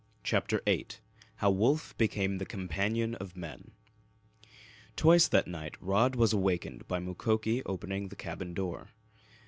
CHAPTER VIII HOW WOLF BECAME THE COMPANION OF MEN Twice that night Rod was awakened by Mukoki opening the cabin door.